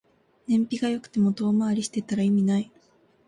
燃費が良くても遠回りしてたら意味ない